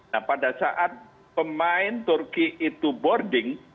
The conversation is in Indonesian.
nah pada saat pemain turki itu boarding